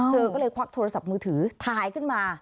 เธอก็เลยควักโทรศัพท์มือถือถ่ายขึ้นมา